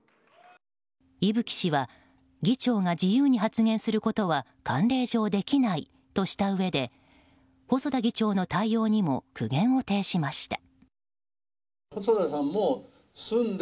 伊吹氏は議長が自由に発言することは慣例上できないとしたうえで細田議長の対応にも苦言を呈しました。